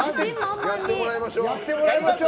やってもらいましょ。